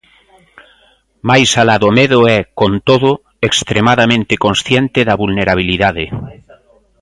Máis alá do medo e, con todo, extremadamente consciente da vulnerabilidade.